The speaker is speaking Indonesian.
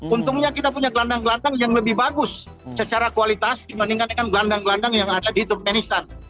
untungnya kita punya gelandang gelandang yang lebih bagus secara kualitas dibandingkan dengan gelandang gelandang yang ada di turkmenistan